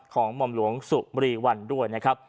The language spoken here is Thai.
หม่อมหลวงสุมรีวันด้วยนะครับ